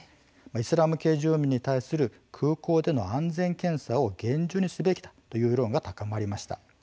イスラム系住民に対する空港での安全検査を厳重にすべきだという世論が高まりました。